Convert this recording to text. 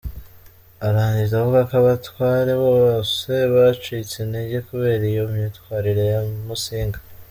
Arangiza avuga ko abatware bose bacitse intege kubera iyo myitwarire ya Musinga.